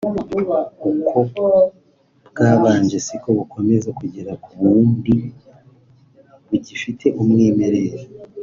uko bwabanje siko bukomeza kugera ku wundi bugifite umwimerere